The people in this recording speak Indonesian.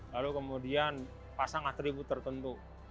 lalu kemudian pasang atribut tertentu